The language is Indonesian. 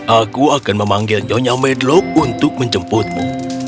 aku akan memanggil nyonya medlock untuk menjemputmu